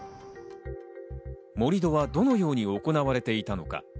盛り土はどのように行われていたのか。